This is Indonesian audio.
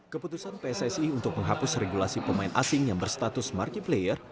keputusan pssi untuk menghapus regulasi pemain asing yang berstatus markiplayer